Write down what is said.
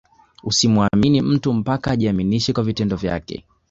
Usimuamini mtu mpaka ajiaminishe kwa vitendo vyake